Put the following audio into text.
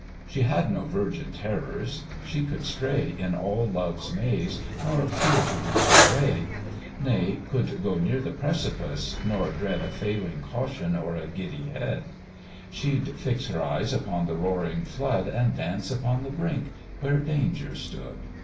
She had no virgin terrors; she could stray In all love's maze, nor fear to lose her way; Nay, could go near the precipiee, nor dread A failing caution or a giddy head; She'd fix her eyes upon the roaring flood, And dance upon the brink where danger stood.